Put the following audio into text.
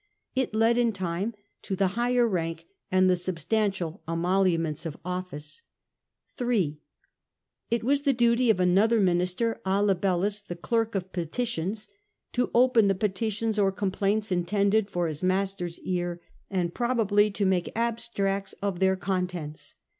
It led in time to the higher rank and the substantial emoluments of office. 3°. It was the duty of another minister (a libellis), to open the petitions or complaints intended for his master's r^iis (clerk of petitions). ear, and probably to make abstracts of theii contents.